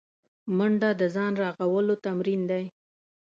منډه د ځان رغولو تمرین دی